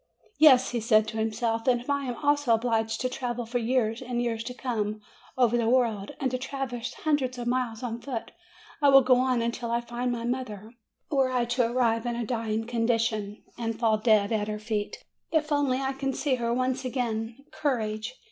'Yes," he said to himself; "and if I am also obliged to travel for years and years to come, over the world, and to traverse hundreds of miles on foot, I will go on until I find my mother, were I to arrive in a dying condition, and fall dead at her feet! If only I can see her once again! Courage!"